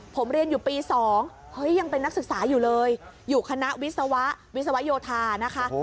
ผมเรียนอยู่ปี๒เอ้ยยังเป็นนักศึกษาอยู่เลยอยู่คณะวิศวะวิศวโยธานะคะอูโหเรียนเก่งด้วยนะ